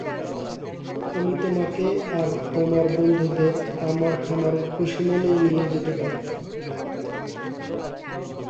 আমি তোমাকে আর তোমার বন্ধুদের আমার খামারে খুশিমনেই নিতে যেতে পারি।